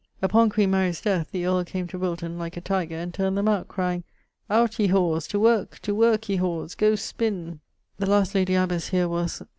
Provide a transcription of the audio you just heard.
Upon queen Mary's death, the earle came to Wilton (like a tygre) and turnd them out, crying, 'Out ye whores, to worke, to worke, ye whores, goe spinne.' [LXXXVII.] The last lady abbesse here was